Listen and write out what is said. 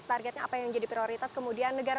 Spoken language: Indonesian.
targetnya apa yang menjadi prioritas kemudian negara